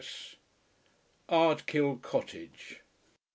ARDKILL COTTAGE.